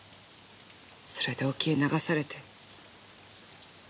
それで沖へ流されて。